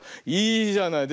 いいじゃない？